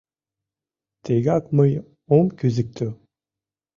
— Тегак мый ом кӱзыктӧ.